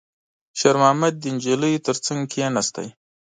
شېرمحمد د نجلۍ تر څنګ کېناست.